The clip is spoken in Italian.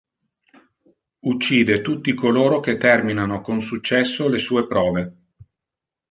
Uccide tutti coloro che terminano con successo le sue prove.